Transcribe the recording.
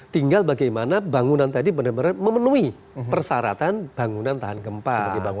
tinggal bagaimana bangunan tadi benar benar memenuhi persyaratan bangunan tahan gempa